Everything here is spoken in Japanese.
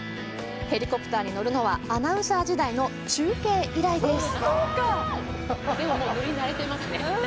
ヘリコプターに乗るのはアナウンサー時代の中継以来です。